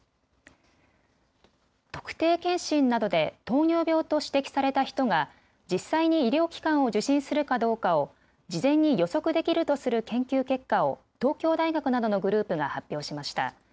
特定健診などで糖尿病と指摘された人が実際に医療機関を受診するかどうかを事前に予測できるとする研究結果を東京大学などのグループが発表しました。